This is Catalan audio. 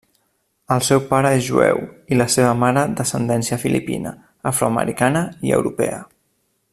El seu pare és jueu i la seva mare d'ascendència filipina, afroamericana i europea.